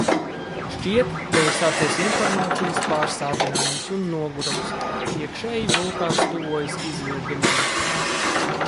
Šķiet, ka ir sācies informācijas pārsātinājums un nogurums... iekšēji vulkāns tuvojas izvirdumam...